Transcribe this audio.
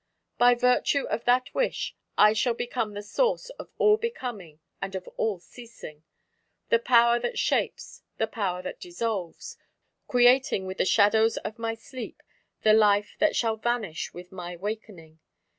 By virtue of that wish I shall become the Source of all becoming and of all ceasing, the Power that shapes, the Power that dissolves, creating, with the shadows of my sleep, the life that shall vanish with my wakening.